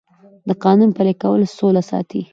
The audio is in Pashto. د قانون پلي کول سوله ساتي